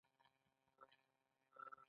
د یو کال بشپړ مزد به یې پنځوس میلیونه افغانۍ شي